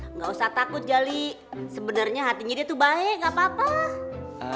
nggak usah takut jali sebenarnya hatinya dia tuh baik gak apa apa